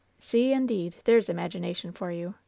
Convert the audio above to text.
^See/ indeed ! There's imagination for you